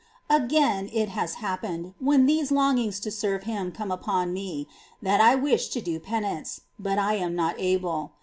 Again, it has happened, when these longings to serve Him come upon me, that I wish to do penance, but I am not able.